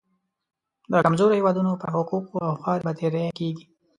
د کمزورو هېوادونو پر حقوقو او خاورې به تیری کېږي.